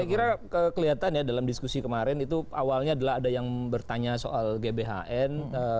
saya kira kelihatan ya dalam diskusi kemarin itu awalnya adalah ada yang bertanya soal gbhn